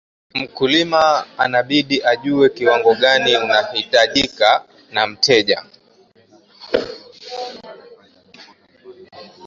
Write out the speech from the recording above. Mkulima anabidi ajue kiwango gani uhitajika na mteja